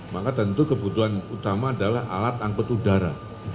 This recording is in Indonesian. maka tentu kebutuhan utama adalah alat angkut udara